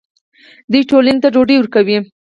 دوی ټولنې ته ډوډۍ ورکوي.